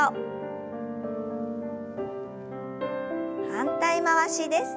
反対回しです。